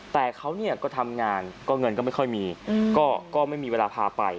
แต่เขาก็ทำงานก็เงินก็ไม่ค่อยมีก็ไม่มีเวลาพาไป